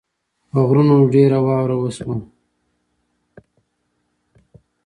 په غرونو ډېره واوره وشوه